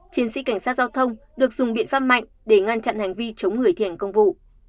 chiến sĩ cảnh sát giao thông được dùng biện pháp mạnh để ngăn chặn hành vi chống người thi hành công vụ